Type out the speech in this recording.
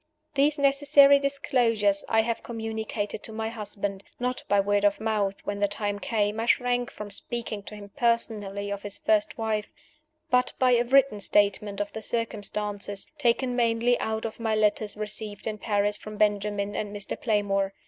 These necessary disclosures I have communicated to my husband not by word of mouth; when the time came, I shrank from speaking to him personally of his first wife but by a written statement of the circumstances, taken mainly out of my letters received in Paris from Benjamin and Mr. Playmore.